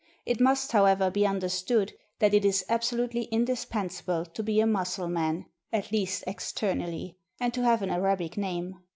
It must, however, be understood that it is absolutely indispensable to be a Mussulman (at least externally), and to have an Arabic name.